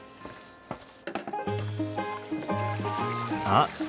あっ！